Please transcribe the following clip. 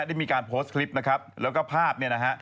ได้มีการโพสต์คลิปนะครับแล้วก็ภาพเนี่ยนะฮะ